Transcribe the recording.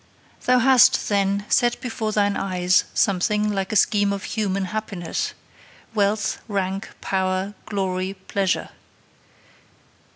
'Thou hast, then, set before thine eyes something like a scheme of human happiness wealth, rank, power, glory, pleasure.